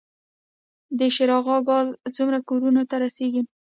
د شبرغان ګاز څومره کورونو ته رسیږي؟